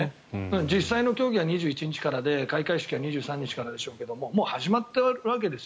実際の競技は２１日からで開会式は２３日からでしょうけどもう始まっているわけです。